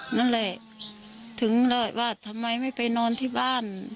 นั่นแหละถึงเลยว่าทำไมไม่ไปนอนที่บ้าน